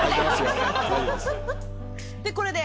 これで？